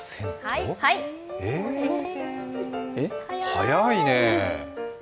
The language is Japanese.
早いね！